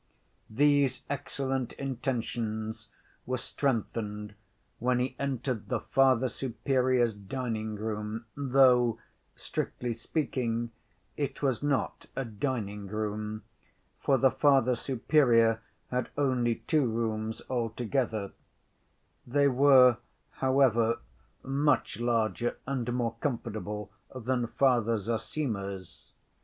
These excellent intentions were strengthened when he entered the Father Superior's dining‐room, though, strictly speaking, it was not a dining‐ room, for the Father Superior had only two rooms altogether; they were, however, much larger and more comfortable than Father Zossima's.